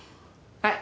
はい。